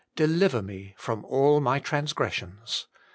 Deliver me from all my transgressions.'